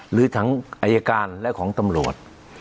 หรือทั้งอายการและของตำรวจ